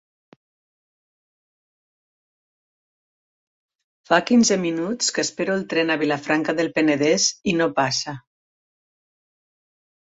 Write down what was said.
Fa quinze minuts que espero el tren a Vilafranca del Penedès i no passa.